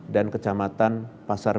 dan kecamatan pasar milik